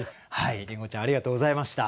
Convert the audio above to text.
りんごちゃんありがとうございました。